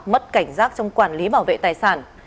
mất cảnh giác trong quản lý bảo vệ tài sản